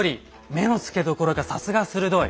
目のつけどころがさすが鋭い。